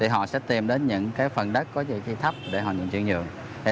họ sẽ tìm đến những phần đất có dị trí thấp để nhận chuyển nhận